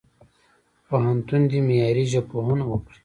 پوهنتون دي معیاري ژبپوهنه وکړي.